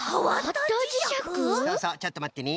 そうそうちょっとまってね。